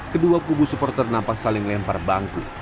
kedua kubu supporter nampak saling lempar bangku